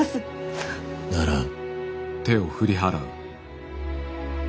ならん。